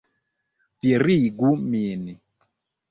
Virigu min!